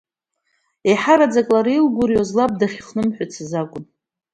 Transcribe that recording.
Еиҳараӡак лара илгәырҩоз лаб дахьыхнымҳәыцыз акәын.